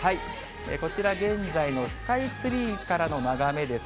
こちら現在のスカイツリーかきれい。